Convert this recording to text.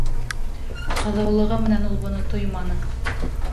Ҡыҙыулығы менән ул быны тойманы.